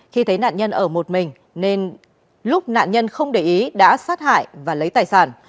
khi thấy nạn nhân ở một mình nên lúc nạn nhân không để ý đã sát hại và lấy tài sản